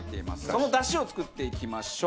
その出汁を作っていきましょう。